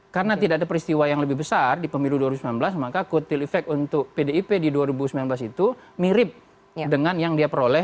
karena tidak ada peristiwa yang lebih besar di pemilu dua ribu sembilan belas maka kutil efek untuk pdip di dua ribu sembilan belas itu mirip dengan yang dia peroleh